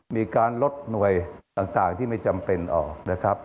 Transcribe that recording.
มีการลดหน่วยต่างที่ไม่จำเป็นออกนะครับ